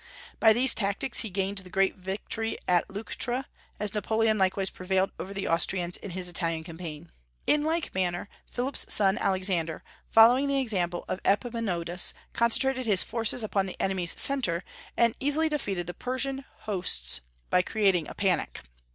By these tactics he gained the great victory at Leuctra, as Napoleon likewise prevailed over the Austrians in his Italian campaign. In like manner Philip's son Alexander, following the example of Epaminondas, concentrated his forces upon the enemy's centre, and easily defeated the Persian hosts by creating a panic.